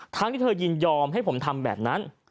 ที่เธอยินยอมให้ผมทำแบบนั้น